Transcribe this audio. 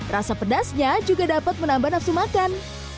rasa pedasnya juga dapat menambah nafsu makan